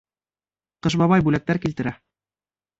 Ҡыш Бабай бүләктәр килтерә